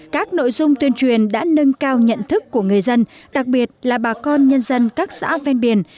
các nội dung tuyên truyền đã nâng cao nhận thức của người dân đặc biệt là bà con nhân dân các xã ven biển